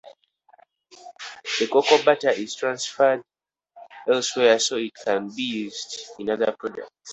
The cocoa butter is transferred elsewhere so it can be used in other products.